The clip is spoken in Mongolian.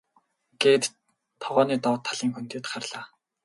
гээд тогооны доод талын хөндийд харлаа.